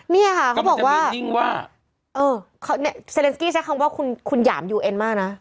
นี่ค่ะเขาบอกว่าเออเซเลนสกี้ใช้คำว่าคุณหย่ามยูเอ็นมากนะ